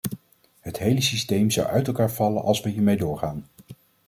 Het hele systeem zou uit elkaar vallen als we hiermee doorgaan.